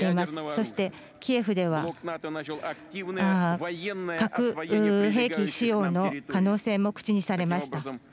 そしてキエフでは核兵器使用の可能性も口にされました。